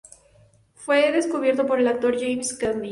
Fue descubierto por el actor James Cagney.